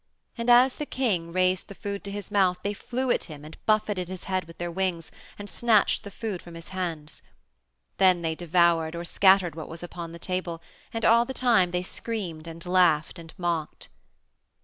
And as the king raised the food to his mouth they flew at him and buffeted his head with their wings, and snatched the food from his hands. Then they devoured or scattered what was upon the table, and all the time they screamed and laughed and mocked.